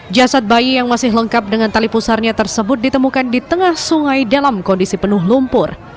jasad bayi yang masih lengkap dengan tali pusarnya tersebut ditemukan di tengah sungai dalam kondisi penuh lumpur